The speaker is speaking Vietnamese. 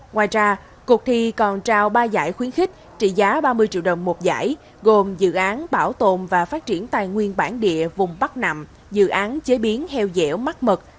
ngoài ra cuộc thi còn trao ba giải khuyến khích trị giá ba mươi triệu đồng một giải gồm dự án bảo tồn và phát triển tài nguyên bản địa vùng bắc nậm dự án chế biến heo dẻo mắc mật